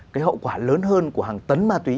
cái hậu quả lớn hơn của hàng tấn ma túy